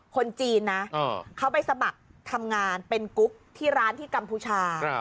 คนจีนนะเขาไปสมัครทำงานเป็นกุ๊กที่ร้านที่กัมพูชา